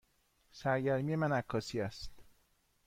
سرگرمی من عکاسی است.